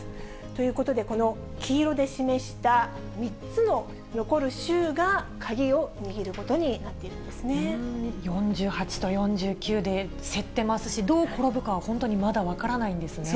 ということで、この黄色で示した３つの残る州が鍵を握ることになっているんです４８と４９で、競ってますし、どう転ぶかは、本当に、まだ分からないんですね。